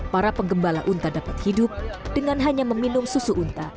para penggembala unta dapat hidup dengan hanya meminum susu unta